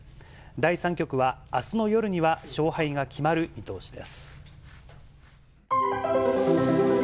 第３局は、あすの夜には勝敗が決まる見通しです。